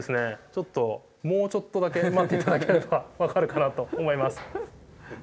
ちょっともうちょっとだけ待って頂ければ分かるかなと思います。